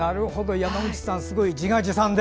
山口さん、すごい！自画自賛で。